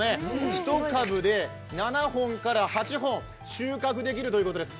１株で７本から８本、収穫できるということです。